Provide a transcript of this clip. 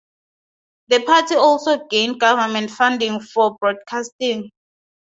The party also gained government funding for broadcasting.